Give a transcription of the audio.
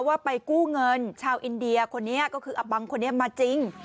ว่าไปกู้เงินชาวอินเดียคนนี้ก็คืออับบังคนนี้มาจริง